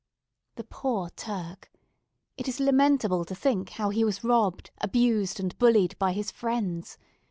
The poor Turk! it is lamentable to think how he was robbed, abused, and bullied by his friends.